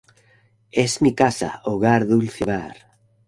es mi casa. hogar, dulce hogar.